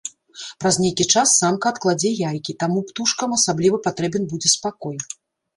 Праз нейкі час самка адкладзе яйкі, таму птушкам асабліва патрэбен будзе спакой.